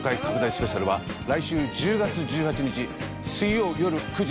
スペシャルは来週１０月１８日水曜よる９時放送です。